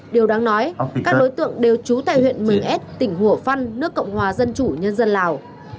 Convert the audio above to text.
điều đáng nói các đối tượng đều trú tại huyện mường ết tỉnh hủa phăn nước cộng hòa dân chủ nhân dân lào